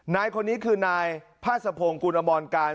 นายคนนี้คือนายพาสะพงศ์กุลอมรการ